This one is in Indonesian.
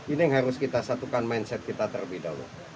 ini yang harus kita satukan mindset kita terlebih dahulu